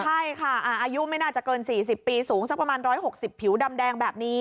ใช่ค่ะอายุไม่น่าจะเกิน๔๐ปีสูงสักประมาณ๑๖๐ผิวดำแดงแบบนี้